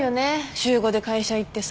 週５で会社行ってさ。